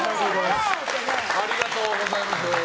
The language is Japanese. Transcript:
ありがとうございます。